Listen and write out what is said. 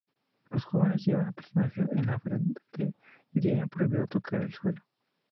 Los jóvenes llevan el personaje en la frente y tienen prohibido tocar el suelo.